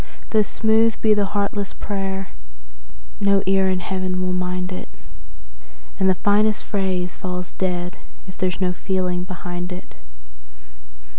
Though smooth be the heartless prayer, no ear in Heaven will mind it, And the finest phrase falls dead if there is no feeling behind it.